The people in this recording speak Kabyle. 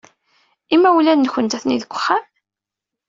Imawlan-nwent atni deg uxxam?